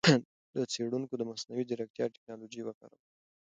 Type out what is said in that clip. څېړونکو د مصنوعي ځېرکتیا ټکنالوجۍ وکاروله.